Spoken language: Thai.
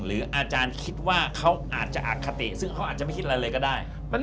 อาจารย์คิดว่าเขาอาจจะอคติซึ่งเขาอาจจะไม่คิดอะไรเลยก็ได้